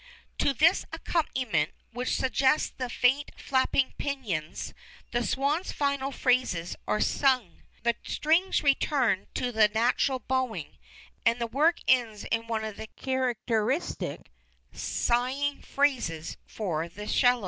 To this accompaniment, which suggests the faint flapping pinions, the swan's final phrases are sung. The strings return to the natural bowing, and the work ends in one of the characteristic, sighing phrases for 'cello.